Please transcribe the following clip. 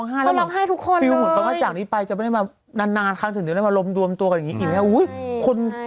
ถ้าเขาร้องไห้ฟิวหมุนต้องกระจ่างนี้ไปจะไม่ได้มานานครั้งถึงจะได้มารมดวมตัวกันอย่างนี้อีกไหมอุ้ยคน